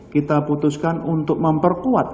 kita putuskan untuk memperkuat